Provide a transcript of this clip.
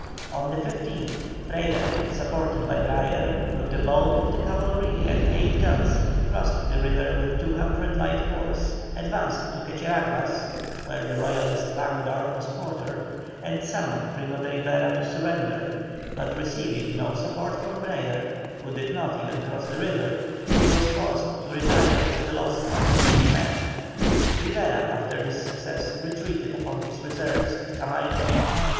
On the 15th, Freyre, supported by Brayer with the bulk of the cavalry and eight guns, crossed the river with 200 light horse, advanced to Quecheraguas, where the Royalist vanguard was quartered, and summoned Primo de Rivera to surrender, but receiving no support from Brayer, who did not even cross the river, he was forced to retire with the loss of seventeen men. Rivera after this success retreated upon his reserves at Camarico.